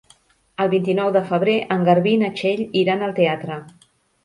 El vint-i-nou de febrer en Garbí i na Txell iran al teatre.